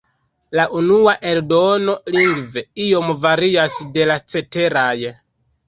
La unua eldono lingve iom varias de la ceteraj.